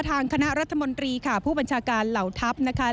ทางคณะรัฐมนตรีค่ะผู้บัญชาการเหล่าทัพนะคะ